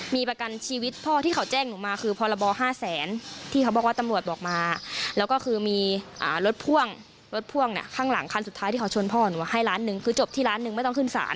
มีประกันชีวิตพ่อที่เขาแจ้งหนูมาคือพรบ๕แสนที่เขาบอกว่าตำรวจบอกมาแล้วก็คือมีรถพ่วงรถพ่วงเนี่ยข้างหลังคันสุดท้ายที่เขาชวนพ่อหนูให้ล้านหนึ่งคือจบที่ล้านหนึ่งไม่ต้องขึ้นศาล